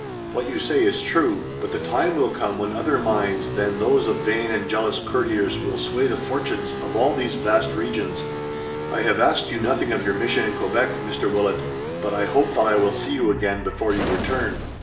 What you say is true, but the time will come when other minds than those of vain and jealous courtiers will sway the fortunes of all these vast regions. I have asked you nothing of your mission in Quebec, Mr. Willet, but I hope that I will see you again before you return."